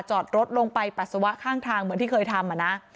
จอดรถลงไปปัสสาวะข้างทางเหมือนที่เคยทำนะ